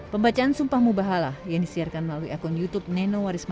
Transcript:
pembacaan sumpah mubahalah yang disiarkan melalui akun youtube nenowarisma